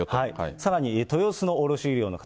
さらに豊洲の卸売業の方。